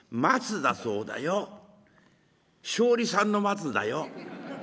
松鯉さんの松だよ」。